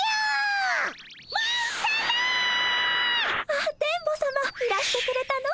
あっ電ボさまいらしてくれたの？